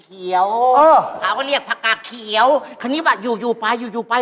เขาเรียกพักกาเขียวคนนี้ว่าอยู่ไปไป